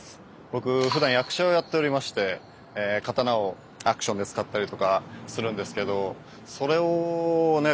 僕ふだん役者をやっておりまして刀をアクションで使ったりとかするんですけどそれをね